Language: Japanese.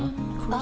あ！